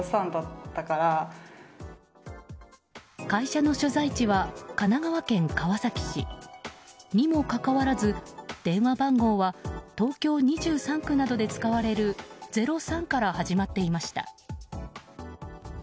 会社の所在地は神奈川県川崎市。にもかかわらず電話番号は東京２３区などで使われる０３から始まっていました。